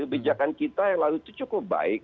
kebijakan kita yang lalu itu cukup baik